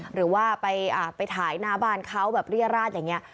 หรือว่าไปถ่ายหน้าบ้านเขาแบบเรียราชอย่างนี้